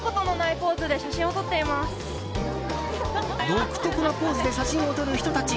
独特なポーズで写真を撮る人たち。